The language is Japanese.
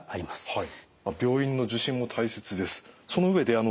はい。